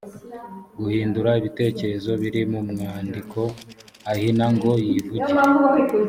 guhindura ibitekerezo biri mu mwandiko ahina ngo yivugire